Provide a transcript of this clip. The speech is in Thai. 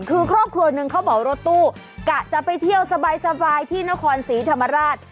คือครอบครัวหนึ่งเขาบอกรถตู้กะจะไปเที่ยวสบายที่นครศรีธรรมราช